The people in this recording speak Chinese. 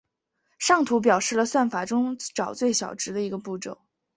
上图表示了算法中找最小值的一个步骤。